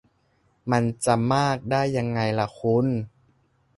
มันจะมากได้ยังไงล่ะคุณ -_